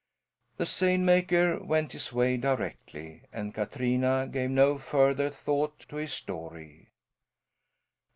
The seine maker went his way directly, and Katrina gave no further thought to his story.